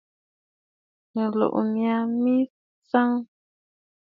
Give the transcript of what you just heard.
Mɨ̀tlùʼù mya mə tsəʼə̂.